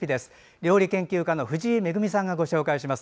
料理研究家の藤井恵さんがご紹介します。